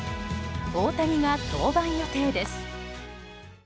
大谷が登板予定です。